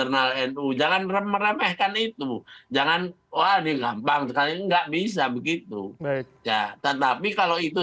kenal nu jangan meremehkan itu jangan wah ini gampang sekali enggak bisa begitu baik ya tetapi kalau itu